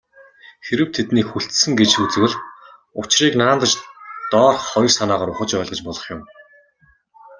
Хэрэв тэднийг хүлцсэн гэж үзвэл, учрыг наанадаж доорх хоёр санаагаар ухаж ойлгож болох юм.